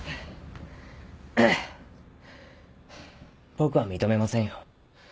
僕は認めませんよ。